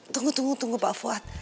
tunggu tunggu tunggu pak fuad